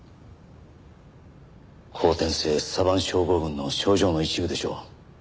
後天性サヴァン症候群の症状の一部でしょう。